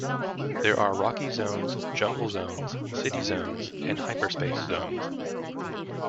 There are rocky zones, jungle zones, city zones, and hyperspace zones.